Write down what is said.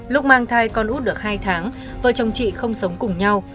lúc mang thai con út được hai tháng vợ chồng chị không sống cùng nhau